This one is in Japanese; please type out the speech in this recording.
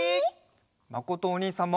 まことおにいさんも。